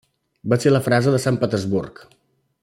Va ser la frase de Sant Petersburg.